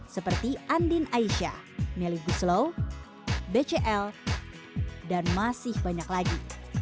seperti andin aisyah melly guslow bcl dan masih banyak lagi